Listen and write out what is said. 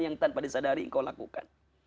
yang tanpa disadari engkau lakukan